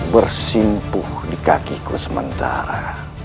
bersimpuh di kakiku sementara